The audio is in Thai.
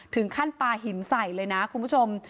ถึงขั้นปลาหินใส่เลยนะคุณผู้ชม